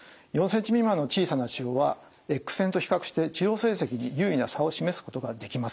４ｃｍ未満の小さな腫瘍はＸ線と比較して治療成績に優位な差を示すことができませんでした。